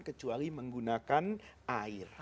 kecuali menggunakan air